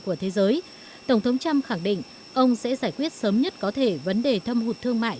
của thế giới tổng thống trump khẳng định ông sẽ giải quyết sớm nhất có thể vấn đề thâm hụt thương mại